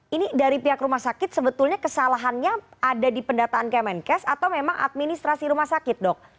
ini dari pihak rumah sakit sebetulnya kesalahannya ada di pendataan kemenkes atau memang administrasi rumah sakit dok